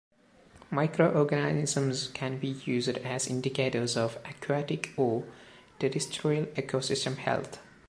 Microorganisms can be used as indicators of aquatic or terrestrial ecosystem health.